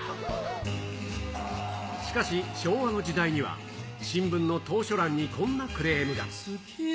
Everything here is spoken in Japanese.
しかし、昭和の時代には、新聞の投書欄にこんなクレームが。